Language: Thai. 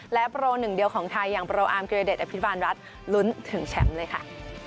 และโปรหนึ่งเดียวของไทยอย่างโปรอาร์มกิรเดชอภิบาลรัฐลุ้นถึงแชมป์เลยค่ะ